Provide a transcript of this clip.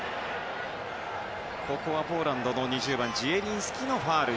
ポーランドの２０番ジエリンスキのファウル。